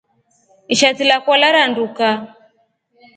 Ishati lakwa laranduka.